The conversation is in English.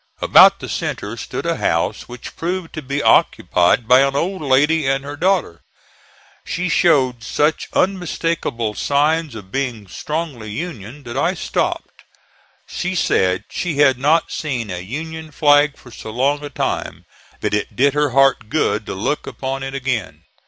About the centre stood a house which proved to be occupied by an old lady and her daughter. She showed such unmistakable signs of being strongly Union that I stopped. She said she had not seen a Union flag for so long a time that it did her heart good to look upon it again.